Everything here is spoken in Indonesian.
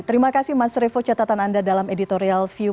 terima kasih mas revo catatan anda dalam editorial view